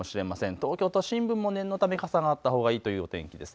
東京都心部も念のため傘があったほうがいいというお天気です。